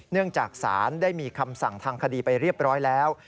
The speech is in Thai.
เนื่องจากศาลได้มีคำสั่งทางคดีไปเรียบร้อยแล้ว